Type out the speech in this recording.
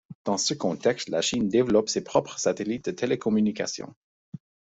Dans ce contexte la Chine développe ses propres satellites de télécommunications.